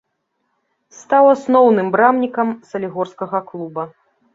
Стаў асноўным брамнікам салігорскага клуба.